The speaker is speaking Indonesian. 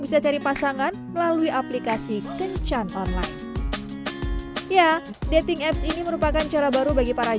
bisa cari pasangan melalui aplikasi kencan online ya dating apps ini merupakan cara baru bagi para